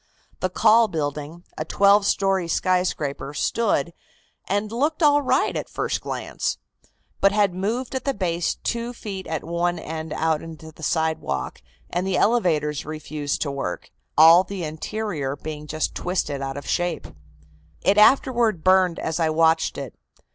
"The Call building, a twelve story skyscraper, stood, and looked all right at first glance, but had moved at the base two feet at one end out into the sidewalk, and the elevators refused to work, all the interior being just twisted out of shape. It afterward burned as I watched it.